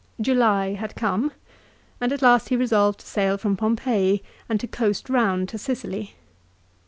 July had come, and at last he resolved to sail from Pompeii and to coast round to Sicily.